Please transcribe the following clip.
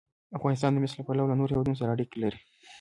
افغانستان د مس له پلوه له نورو هېوادونو سره اړیکې لري.